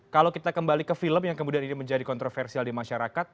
kalau kita kembali ke film yang kemudian ini menjadi kontroversial di masyarakat